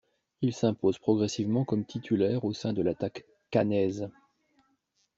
Il s'impose progressivement comme titulaire au sein de l'attaque caennaise.